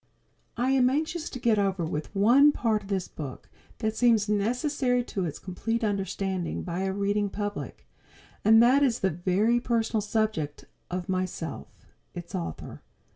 I am anxious to get over with one part of this book that seems necessary to its complete understanding by a reading public, and that is the very personal subject of myself, its author.